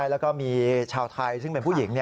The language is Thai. แล้วก็มีชาวไทยซึ่งเป็นผู้หญิง